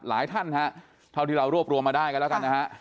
ท่านฮะเท่าที่เรารวบรวมมาได้กันแล้วกันนะฮะ